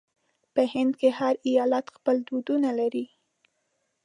په هند کې هر ایالت خپل دودونه لري.